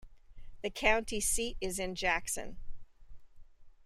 The county seat is Jackson.